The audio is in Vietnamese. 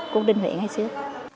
của đình huế ngay xưa